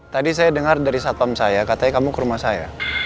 tadi saya dengar dari satpam saya katanya kamu ke rumah saya